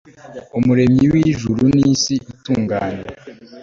umuremyi w ijuru n isi itunganye